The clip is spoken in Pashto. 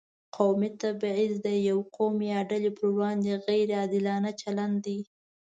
قومي تبعیض د یو قوم یا ډلې پر وړاندې غیر عادلانه چلند دی.